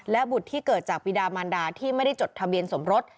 และบุตรที่เกิดจากปีดามันดาที่ไม่ได้จดทะเบียนสมรส